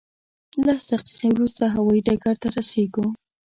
لس دقیقې وروسته هوایي ډګر ته رسېږو.